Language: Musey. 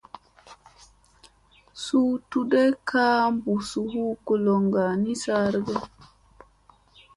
Suu tuɗ ay kaa bussa hu goloŋga ni saara ge ?